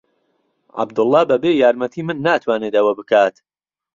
عەبدوڵڵا بەبێ یارمەتیی من ناتوانێت ئەوە بکات.